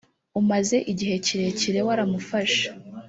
umaze igihe kirekire waramufashe